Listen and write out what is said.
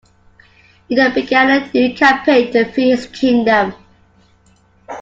He then began a new campaign to free his kingdom.